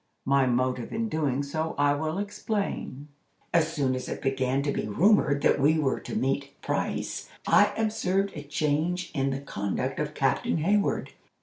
My motive in doing so I will explain. As soon as it began to be rumored that we were to meet Price, I observed a change in the conduct of Captain Hayward.